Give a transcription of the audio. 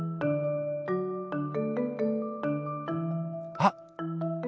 あっ！